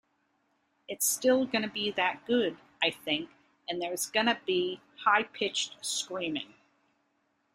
It's still gonna be that good, I think, and there's gonna be high-pitched screaming.